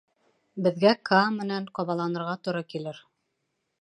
Беҙгә Каа менән ҡабаланырға тура килер.